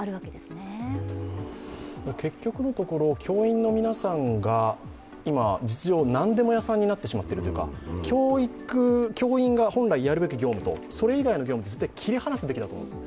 結局のところ、教員の皆さんが今、実情、何でも屋さんになってしまっているというか教員が本来やるべき業務とそれ以外の業務を切り離すべきだと思うんです。